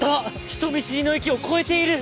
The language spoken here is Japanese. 人見知りの域を超えている！